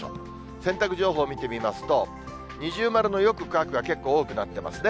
洗濯情報見てみますと、二重丸のよく乾くが結構多くなってますね。